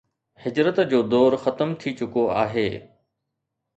هجرت جو دور ختم ٿي چڪو آهي